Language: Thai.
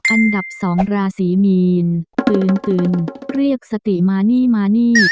อันดับ๒ราศีมีนตื่นตื่นเรียกสติมานี่มานี่